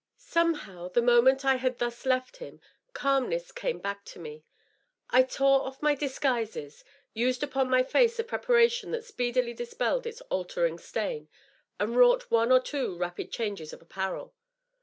Somehow, the moment I had thus left him, calmness came back to me, I tore off my disguises, used upon my face a preparation that speedily dispelled its altering stain, and wrought one or two rapid changes of apparel.